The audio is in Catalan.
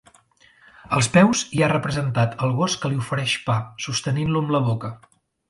Als peus hi ha representat el gos que li ofereix pa, sostenint-lo amb la boca.